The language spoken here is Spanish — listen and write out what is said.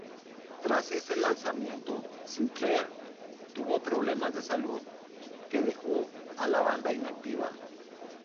Tras ese lanzamiento, Sinclair tuvo problemas de salud que dejó a la banda inactiva.